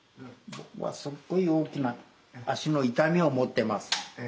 僕はすっごい大きな足の痛みを持ってます。